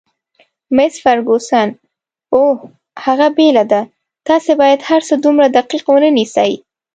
مس فرګوسن: اوه، هغه بېله ده، تاسي باید هرڅه دومره دقیق ونه نیسئ.